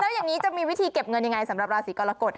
แล้วอย่างนี้จะมีวิธีเก็บเงินยังไงสำหรับราศีกรกฎ